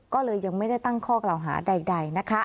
ก็เลยยังไม่ได้ตั้งข้อกล่าวหาใดนะคะ